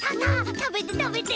たべてたべて！